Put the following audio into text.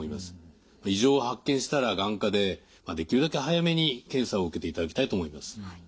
異常を発見したら眼科でできるだけ早めに検査を受けていただきたいと思います。